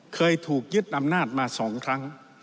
เคยถูกยึดอำนาจมา๒ครั้ง